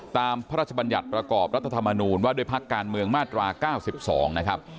ตามพระราชบัญญัติประกอบรัฐธรรมนุนว่าโดยภาคการเมืองมาตรา๙๒